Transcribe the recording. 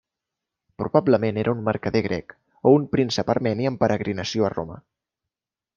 Probablement era un mercader grec, o un príncep armeni en peregrinació a Roma.